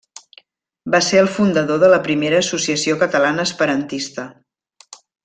Va ser el fundador de la primera associació catalana esperantista.